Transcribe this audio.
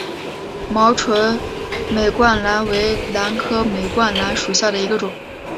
毛唇美冠兰为兰科美冠兰属下的一个种。